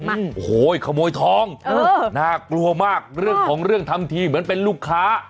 โอ้โหขโมยทองเออน่ากลัวมากเรื่องของเรื่องทำทีเหมือนเป็นลูกค้า